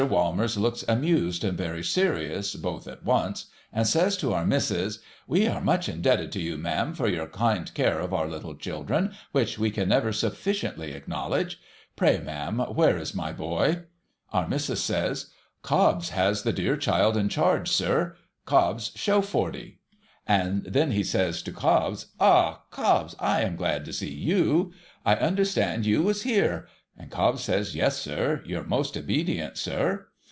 Walmers looks amused and very serious, both at once, and says to our missis, ' We are much indebted to you, ma'am, for your kind care of our little children, which we can never sufficiently acknowledge. Pray, ma'am, where is my boy?' Our missis says, ' Cobbs has the dear child in charge, sir. Cobbs, show Forty !' Then he says to Cobbs, ' Ah, Cobbs, I am glad to see vou ! I understood you was here !' And Cobbs says, ' Yes, sir. Your most obedient, sir.'